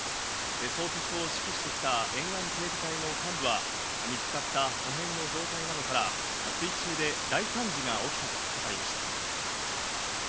捜索を指揮してきた沿岸警備隊の幹部は、見つかった破片の状態などから水中で大惨事が起きたと語りました。